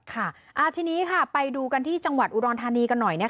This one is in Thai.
ค่ะทีนี้ค่ะไปดูกันที่จังหวัดอุดรธานีกันหน่อย